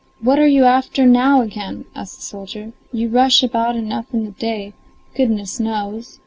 "What are you after now again?" asked the soldier. "You rush about enough in the day, goodness knows!